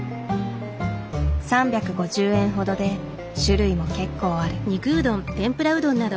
３５０円ほどで種類も結構ある。